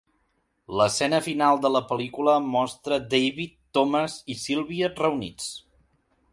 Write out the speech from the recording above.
L'escena final de la pel·lícula mostra David, Thomas i Sylvia reunits.